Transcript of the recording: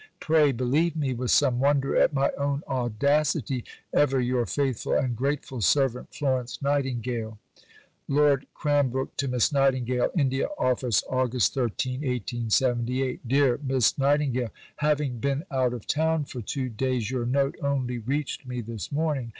Pray believe me (with some wonder at my own audacity), ever your faithful and grateful servant, FLORENCE NIGHTINGALE. (Lord Cranbrook to Miss Nightingale.) INDIA OFFICE, August 13 . DEAR MISS NIGHTINGALE Having been out of town for two days your note only reached me this morning.